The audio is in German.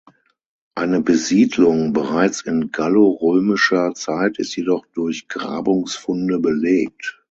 Eine Besiedlung bereits in gallorömischer Zeit ist jedoch durch Grabungsfunde belegt.